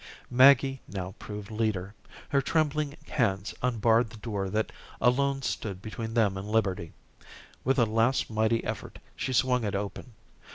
Maggie now proved leader. Her trembling hands unbarred the door that alone stood between them and liberty. With a last mighty effort, she swung it open.